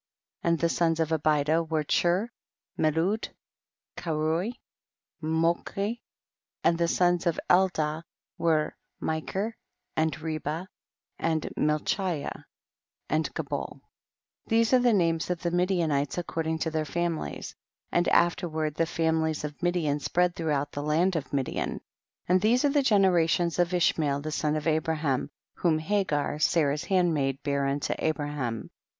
13. And the sons of Abida were Chur, Melud, Keruy, Molchi ; and the sons of Eldaah were Mikcr, and Reba, and Malchiyah and Gabol ; these are the names of the Midianites according to their families ; and af terward the families of Midian spread throughout the land of Midian. 14. And these are the generations of Ishmael the son of Abraham, whom Hagar, Sarah's handmaid, bare unto Abraham.